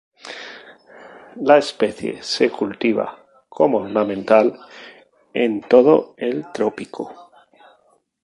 La especie se cultiva como ornamental en todo el trópico.